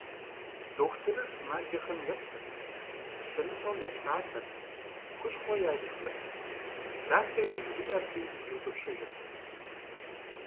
Дохутырыр сымаджэхэм еплъырт, щэныфӀэу епсалъэрт, хущхъуэ яритырт, дахэ яжриӀэрти иутӀыпщыжырт.